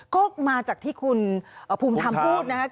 ก็มาจากที่คุณภูมิธรรมพูดนะครับ